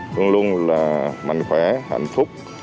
luôn luôn là mạnh khỏe hạnh phúc